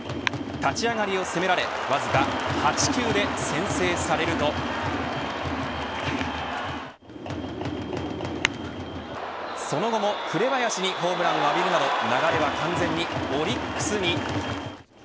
立ち上がりを攻められわずか８球で先制されるとその後も紅林にホームランを浴びるなど流れは完全にオリックスに。